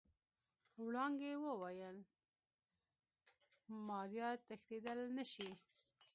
وړانګې وويل ماريا تښتېدل نشي.